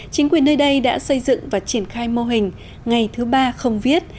chính quyền nơi đây đã xây dựng và triển khai mô hình ngày thứ ba không viết